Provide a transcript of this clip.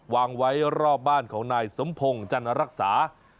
วางไว้รอบบ้านของนายสมพงศ์จันรักษา